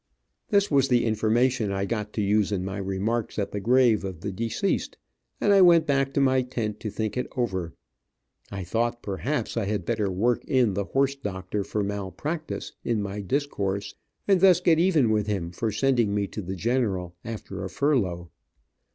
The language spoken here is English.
This was the information I got to use in my remarks at the grave of the deceased, and I went back to my tent to think it over. I thought perhaps I had better work in the horse doctor for mal practice, in my discourse, and thus get even with him for sending me to the general after a furlough.